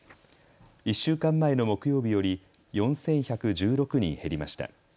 １週間前の木曜日より４１１６人減りました。